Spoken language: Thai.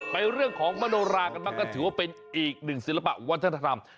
เป็นเรื่องของมโลลาก่อนก็ถือว่าเป็นอีกหนึ่งศิลปวัฒนธรรม